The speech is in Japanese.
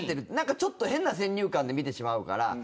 ちょっと変な先入観で見てしまうから。